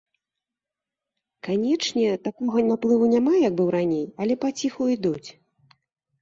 Канечне, такога наплыву няма, як быў раней, але паціху ідуць.